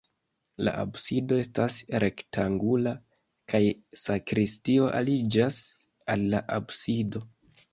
La absido estas rektangula kaj sakristio aliĝas al la absido.